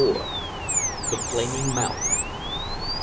THE FLAMING MOUTH.